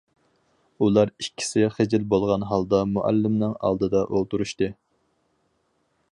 ئۇلار ئىككىسى خىجىل بولغان ھالدا مۇئەللىمنىڭ ئالدىدا ئولتۇرۇشتى.